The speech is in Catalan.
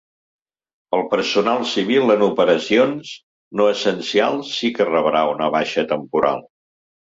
El personal civil en operacions no essencials si que rebrà una baixa temporal.